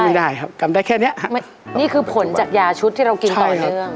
ไม่ได้ครับจำได้แค่เนี้ยนี่คือผลจากยาชุดที่เรากินต่อเนื่อง